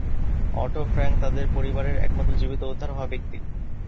Auto Frank তাদের পরিবারের একমাত্র জীবিত উদ্ধার হওয়া ব্যক্তি।